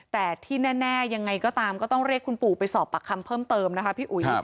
แต่ที่แน่ยังไงก็ตามก็ต้องเรียกคุณปู่ไปสอบปากคำเพิ่มเติมนะคะพี่อุ๋ย